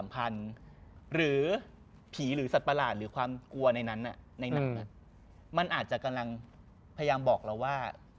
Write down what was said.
พยายามบอกเราว่า